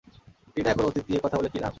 টিনা, এখন অতীত নিয়ে কথা বলে কি লাভ।